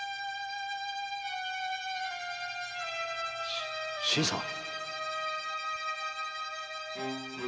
し新さん。